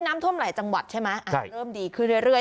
น้ำท่วมหลายจังหวัดใช่ไหมเริ่มดีขึ้นเรื่อย